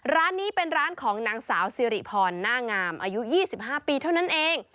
ร้านนี้เป็นร้านของนางสาวสิริพรหน้างามอายุ๒๕ปีเท่านั้นเอง